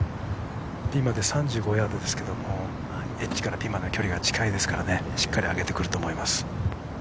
ピンまで３５ヤードですけどエッジからピンまでの距離が近いのでしっかり上げてくると思います。